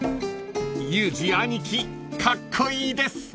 ［ユージ兄貴カッコイイです］